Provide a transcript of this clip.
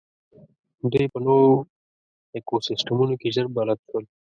دوی په نوو ایکوسېسټمونو کې ژر بلد شول.